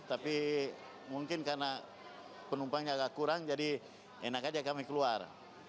tapi mungkin karena penumpangnya agak kurang jadi enak aja kami keluar